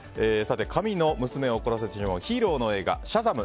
神の娘を怒らせてしまうヒーローの映画「シャザム！